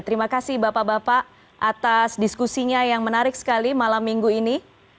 terima kasih bapak bapak atas diskusinya yang menarik sekali malam minggu ini